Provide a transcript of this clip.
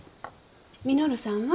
稔さんは？